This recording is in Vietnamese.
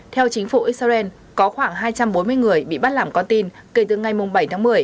theo chính phủ israel có khoảng hai trăm bốn mươi người bị bắt làm con tin kể từ ngày bảy tháng một mươi